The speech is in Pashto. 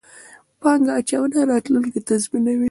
پانګه اچونه، راتلونکی تضمینوئ